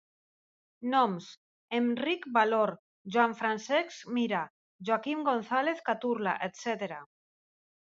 Noms: Enric Valor, Joan Francesc Mira, Joaquim González Caturla, etcètera.